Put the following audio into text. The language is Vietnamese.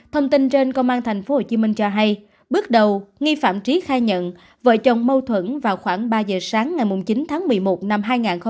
thông tin trên công an thành phố hồ chí minh cho hay bước đầu nghi phạm trí khai nhận vợ chồng mâu thuẫn vào khoảng ba giờ sáng ngày chín tháng một mươi một năm hai nghìn hai mươi một